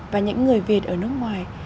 và những người việt ở nước ngoài